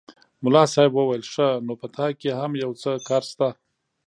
ملا صاحب وویل ښه! نو په تا کې هم یو څه کار شته.